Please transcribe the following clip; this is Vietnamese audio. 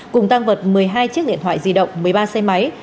cùng tăng vật một mươi hai chiếc điện thoại di động một mươi ba xe máy